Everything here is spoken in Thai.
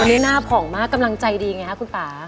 ตอนนี้หน้าผ่องมากกำลังใจดีไงคะคุณป่า